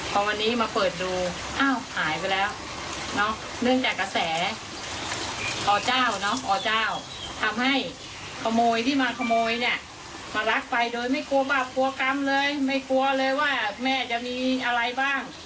ก็คาดว่าน่าจะเอาไปขายตามตลาดนัด